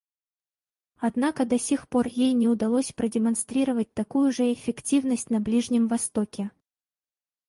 Однако до сих пор ей не удалось продемонстрировать такую же эффективность на Ближнем Востоке.